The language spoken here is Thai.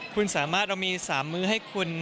คุณสามารถเรามี๓มื้อให้คุณ